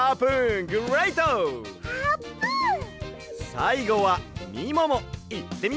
さいごはみももいってみよう！